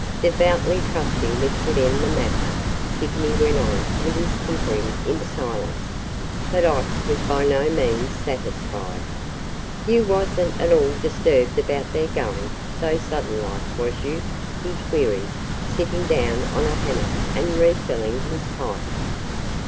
Devoutly trusting this would end the matter, Sydney went on with his tinkering in silence. But Ike was by no means satisfied. "You was n't at all disturbed about their going – so sudden like, was you?" he queried, sitting down on a hummock and refilling his pipe.